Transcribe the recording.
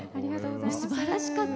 すばらしかった！